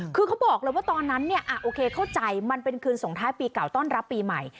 คือเขาบอกเลยว่าตอนนั้นเนี่ยโอเคเข้าใจมันเป็นคืนสงท้ายปีเก่าต้อนรับปีใหม่